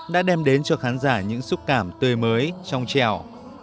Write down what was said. đã đem đến cho khán giả những xúc cảm tươi mới trong trèo